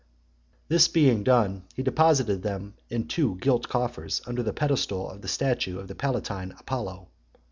This being done, he deposited them in two gilt coffers, under the pedestal of the statue of the Palatine Apollo.